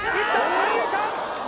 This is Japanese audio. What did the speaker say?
三遊間！